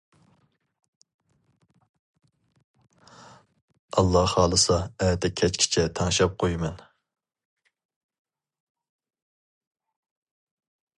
ئاللا خالىسا ئەتە كەچكىچە تەڭشەپ قويىمەن.